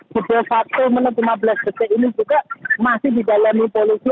sejak satu menit lima belas detik ini juga masih di dalam evolusi